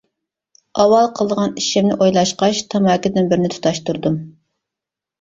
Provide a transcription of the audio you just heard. ئاۋۋال قىلىدىغان ئىشىمنى ئويلاشقاچ تاماكىدىن بىرنى تۇتاشتۇردۇم.